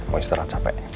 mau istirahat sampe